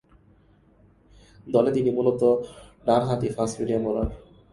দলে তিনি মূলতঃ ডানহাতি ফাস্ট-মিডিয়াম বোলার।